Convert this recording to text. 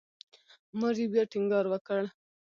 مور یې بیا ټینګار وکړ.